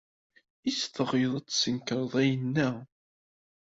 Is teɣyed ad tsekred ayenna?